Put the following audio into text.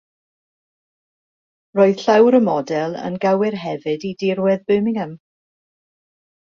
Roedd llawr y model yn gywir hefyd i dirwedd Birmingham.